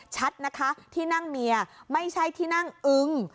ชัดนะคะที่นั่งเมียไม่ใช่ที่นั่งอึ้ง